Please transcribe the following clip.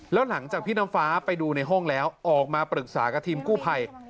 แล้วหลังจากพี่น้ำฟ้าไปดูในห้องแล้วออกมาปรึกษากับทีมกู้ภัย